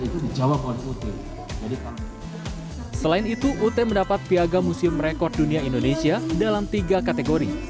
terus ut mendapat piaga musim rekor dunia indonesia dalam tiga kategori